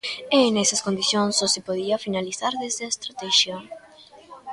E nesas condicións só se podía finalizar desde a estratexia.